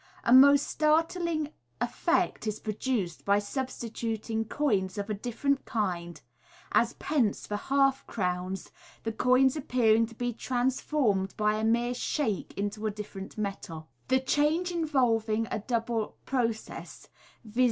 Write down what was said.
A most start ling effect is produced by substituting coins of a different kind, as pence for half crowns, the coins appearing to be transformed by a mere shake into a different metal The change involving a double process — viz.